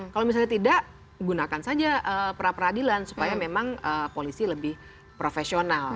kalau misalnya tidak gunakan saja pra peradilan supaya memang polisi lebih profesional